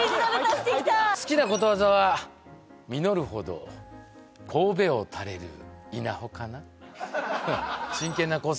好きなことわざは実るほど頭を垂れる稲穂かな